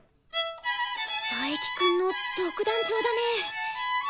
佐伯くんの独壇場だね。